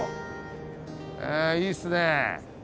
えいいっすね。